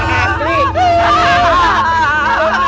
kalau kita dimari kita akan modal bersama